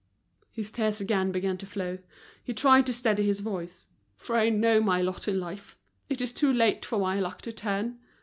His tears again began to flow, he tried to steady his voice. "For I know my lot in life. It is too late for my luck to turn.